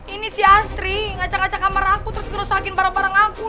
ini si astri ngaca ngaca kamar aku terus gerosakin barang barang aku lagi